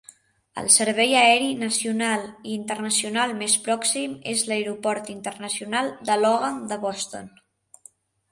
El servei aeri nacional i internacional més pròxim és l'Aeroport Internacional de Logan de Boston.